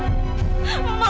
gak mau memadahi kamu